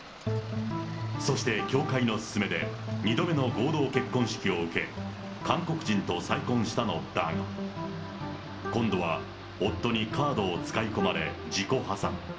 そして教会の勧めで、２度目の合同結婚式を受け、韓国人と再婚したのだが、今度は夫にカードを使い込まれ自己破産。